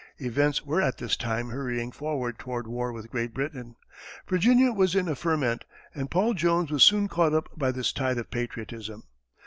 Events were at this time hurrying forward toward war with Great Britain; Virginia was in a ferment, and Paul Jones was soon caught up by this tide of patriotism.